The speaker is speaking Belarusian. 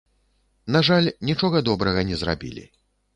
На жаль, нічога добрага не зрабілі.